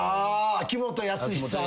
秋元康さん